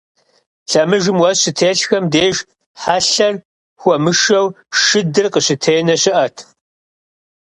Лъэмыжым уэс щытелъхэм деж, хьэлъэр хуэмышэу, шыдыр къыщытенэ щыӀэт.